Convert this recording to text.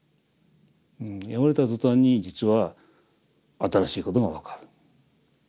破れた途端に実は新しいことが分かる。